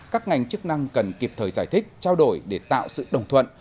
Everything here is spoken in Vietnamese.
các ngành chức năng cần kịp thời giải thích trao đổi để tạo sự đồng thuận